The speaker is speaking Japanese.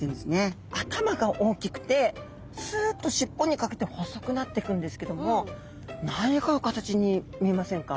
頭が大きくてスッと尻尾にかけて細くなってくんですけども何かの形に見えませんか？